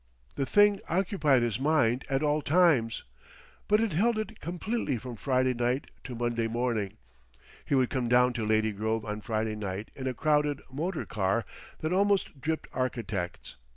The thing occupied his mind at all times, but it held it completely from Friday night to Monday morning. He would come down to Lady Grove on Friday night in a crowded motor car that almost dripped architects.